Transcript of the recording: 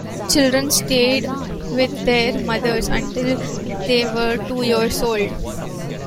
Children stayed with their mothers until they were two years old.